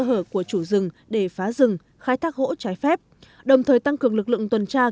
hở của chủ rừng để phá rừng khai thác gỗ trái phép đồng thời tăng cường lực lượng tuần tra